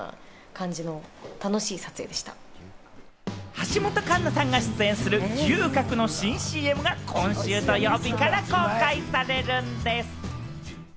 橋本環奈さんが出演する牛角の新ＣＭが今週土曜日から公開されるんでぃす。